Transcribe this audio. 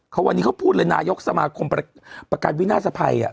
เขาวันนี้เขาพูดเลยนายกสมาคมประกันวินาศภัย